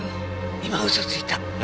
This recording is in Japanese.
今嘘ついた！え？